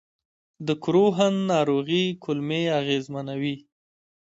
د کروهن ناروغي کولمې اغېزمنوي.